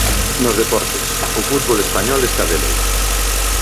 Nos deportes, o fútbol español está de loito.